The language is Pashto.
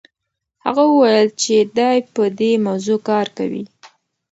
هغه وویل چې دی په دې موضوع کار کوي.